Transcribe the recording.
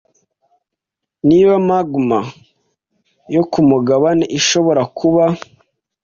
Niba magma yo kumugabane ishobora kuba